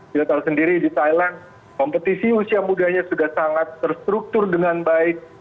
kita tahu sendiri di thailand kompetisi usia mudanya sudah sangat terstruktur dengan baik